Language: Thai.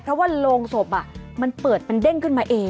เพราะว่าโรงศพมันเปิดมันเด้งขึ้นมาเอง